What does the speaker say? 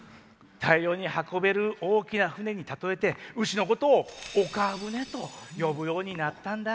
大量に運べる大きな船に例えて牛のことを陸船と呼ぶようになったんだ。